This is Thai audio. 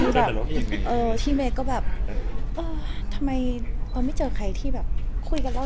ใช้ตัวทีมีก็แบบทำไทยไปไม่เจอใครที่แบบคุยกันแล้ว